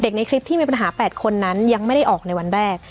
ในคลิปที่มีปัญหา๘คนนั้นยังไม่ได้ออกในวันแรก